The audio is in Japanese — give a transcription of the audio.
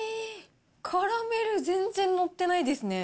カラメル全然載ってないですね。